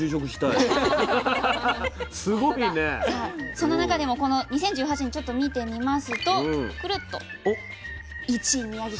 その中でもこの２０１８年ちょっと見てみますと１位宮城県。